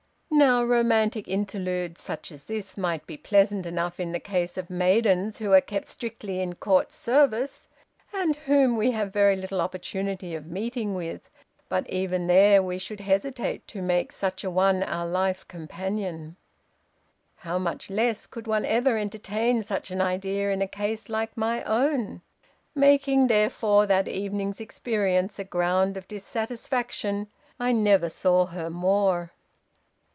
"Now, romantic interludes, such as this, might be pleasant enough in the case of maidens who are kept strictly in Court service, and whom we have very little opportunity of meeting with, but even there we should hesitate to make such a one our life companion. How much less could one ever entertain such an idea in a case like my own? Making, therefore, that evening's experience a ground of dissatisfaction I never saw her more.